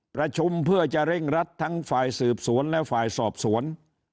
ประชุมเพื่อจะเร่งรัดทั้งฝ่ายสืบสวนและฝ่ายสอบสวน